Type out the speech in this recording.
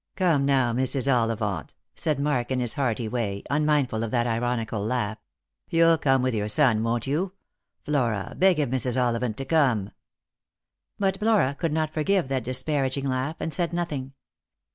" Come now, Mrs. Ollivant," said Mark in his hearty way, unmindful of that ironical laugh ;" you'll come with your son, won't you? Flora, beg of Mrs. Ollivant to come." But Flora could not forgive that disparaging laugh, and said nothing.